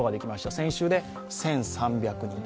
先週で１３００人台。